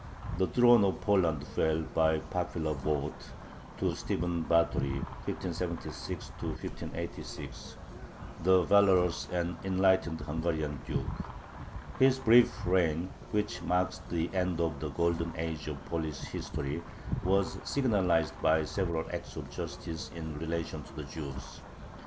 The throne of Poland fell, by popular vote, to Stephen Batory (1576 1586), the valorous and enlightened Hungarian duke. His brief reign, which marks the end of the "golden age" of Polish history, was signalized by several acts of justice in relation to the Jews.